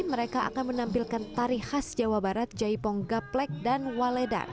mereka akan menampilkan tari khas jawa barat jaipong gaplek dan waledak